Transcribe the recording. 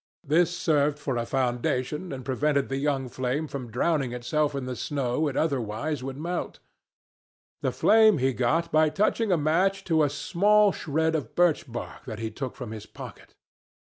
This served for a foundation and prevented the young flame from drowning itself in the snow it otherwise would melt. The flame he got by touching a match to a small shred of birch bark that he took from his pocket.